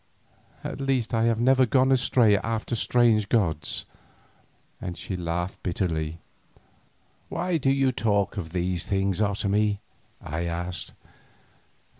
At least I have never gone astray after strange gods," and she laughed bitterly. "Why do you talk of these things, Otomie?" I asked.